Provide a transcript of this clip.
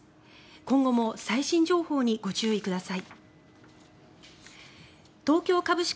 今後も最新情報にご注意ください。